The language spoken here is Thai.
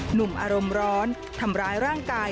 หนุ่มอารมณ์ร้อนทำร้ายร่างกาย